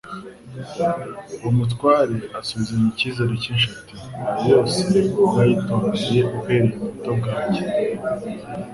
Uwo mutware asubizanya icyizere cyinshi ati: «Ayo yose narayitondcye uhereye mu buto bwanjye.»